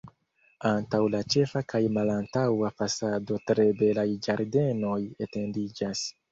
Antaŭ la ĉefa kaj malantaŭa fasado tre belaj ĝardenoj etendiĝas.